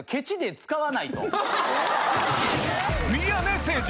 宮根誠司